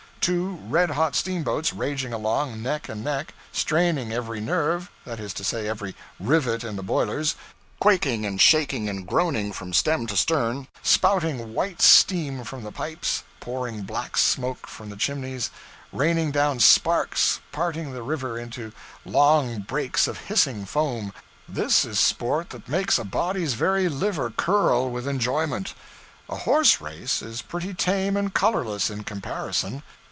Two red hot steamboats raging along, neck and neck, straining every nerve that is to say, every rivet in the boilers quaking and shaking and groaning from stem to stern, spouting white steam from the pipes, pouring black smoke from the chimneys, raining down sparks, parting the river into long breaks of hissing foam this is sport that makes a body's very liver curl with enjoyment. A horse race is pretty tame and colorless in comparison.